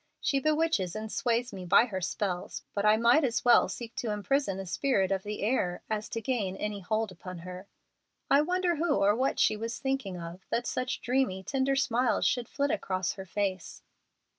She bewitches and sways me by her spells, but I might as well seek to imprison a spirit of the air as to gain any hold upon her. I wonder whom or what she was thinking of, that such dreamy, tender smiles should flit across her face."